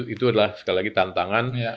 itu adalah sekali lagi tantangan